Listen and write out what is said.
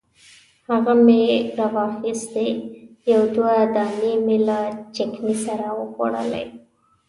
هغه مې راواخیستې یو دوه دانې مې له چکني سره وخوړلې.